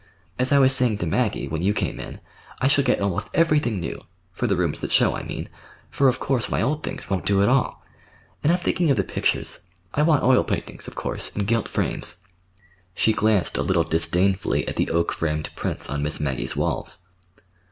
"As I was saying to Maggie, when you came in, I shall get almost everything new—for the rooms that show, I mean,—for, of course, my old things won't do at all. And I'm thinking of the pictures. I want oil paintings, of course, in gilt frames." She glanced a little disdainfully at the oak framed prints on Miss Maggie's walls.